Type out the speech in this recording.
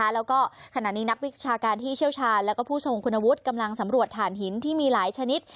แล้วก็ขณะนี้นักวิชาการที่เชี่ยวชาญและผู้ทรงคุณวุฒิกำลังสำรวจฐานหินที่มีหลายชนิด